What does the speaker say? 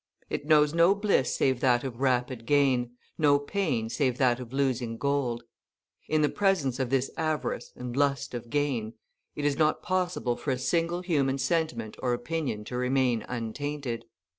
It knows no bliss save that of rapid gain, no pain save that of losing gold. In the presence of this avarice and lust of gain, it is not possible for a single human sentiment or opinion to remain untainted.